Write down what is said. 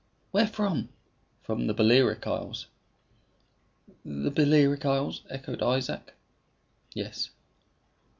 "Where from?" "From the Balearic Isles." "The Balearic Isles?" echoed Isaac. "Yes."